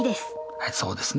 はいそうですね。